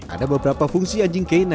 ada beberapa fungsi anjing k sembilan